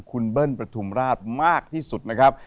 คุณเบิ้ลประทุมราชมากที่สุดนะครับ